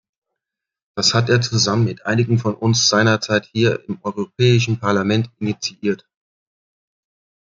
Das hat er zusammen mit einigen von uns seinerzeit hier im Europäischen Parlament initiiert.